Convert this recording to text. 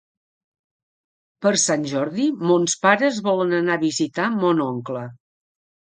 Per Sant Jordi mons pares volen anar a visitar mon oncle.